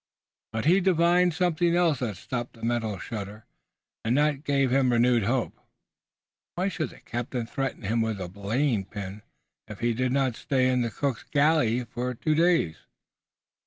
But he divined something else that stopped the mental shudder and that gave him renewed hope. Why should the captain threaten him with a belaying pin if he did not stay in the cook's galley for two days?